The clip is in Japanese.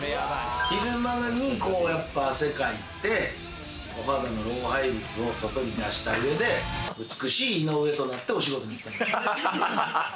昼間に汗かいて、お肌の老廃物を外に出した上で、美しい井上となってお仕事に行きたいんですよ。